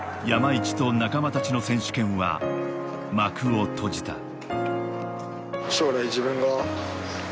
山市と仲間たちの選手権は幕を閉じた。